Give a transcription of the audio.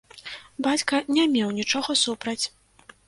Бацька не меў нічога супраць.